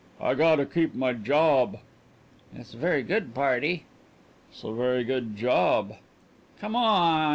"I gotta keep my job." "It's a very good party." "'S a very good job." "Come on!"